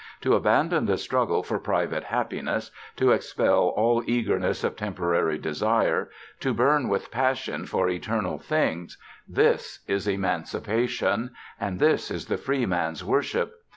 To abandon the struggle for private happiness, to expel all eagerness of temporary desire, to burn with passion for eternal things this is emancipation, and this is the free man's worship.